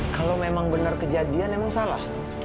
kalau memang benar kejadian emang salah